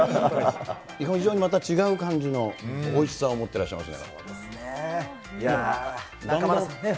非常にまた違う感じのおいしさを持ってらっしゃいます。